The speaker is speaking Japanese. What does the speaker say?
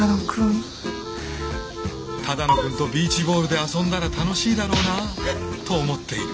「只野くんとビーチボールで遊んだら楽しいだろうな」と思っている。